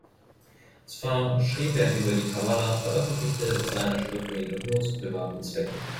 Zwar schrieb er über die Kabbala, veröffentlichte seine Schriften jedoch nur zu privaten Zwecken.